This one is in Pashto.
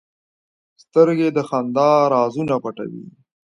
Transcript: سترګې د خندا رازونه پټوي